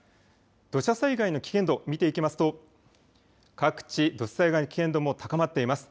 土砂災害の危険度を見ていきますと、各地土砂災害の危険度も高まっています。